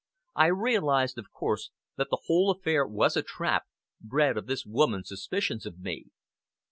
I realized, of course, that the whole affair was a trap, bred of this woman's suspicions of me.